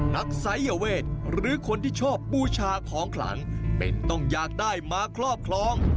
สายเวทหรือคนที่ชอบบูชาของขลังเป็นต้องอยากได้มาครอบครอง